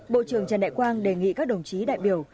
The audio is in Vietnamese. bộ trưởng trần đại quang đề nghị các đồng chí đại biểu